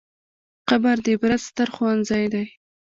قبر د عبرت ستر ښوونځی دی.